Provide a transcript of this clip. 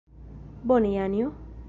Bone, Janjo?